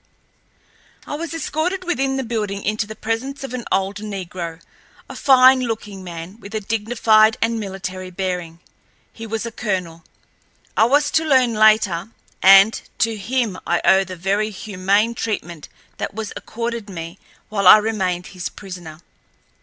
I was escorted within the building into the presence of an old negro, a fine looking man, with a dignified and military bearing. He was a colonel, I was to learn later, and to him I owe the very humane treatment that was accorded me while I remained his prisoner.